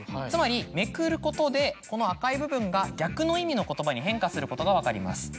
つまりめくることでこの赤い部分が逆の意味の言葉に変化することが分かります。